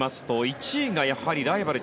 １位がライバル